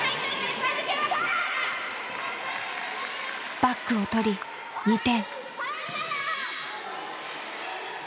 バックをとり２点。